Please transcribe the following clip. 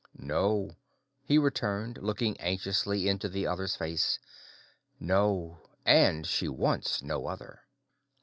"No," he returned, looking anxiously into the other's face, "no, and she wants no other."